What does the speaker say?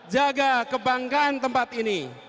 jaga kebanggaan tempat ini